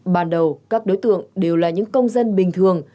ban đầu các đối tượng đều là những công dân bình thường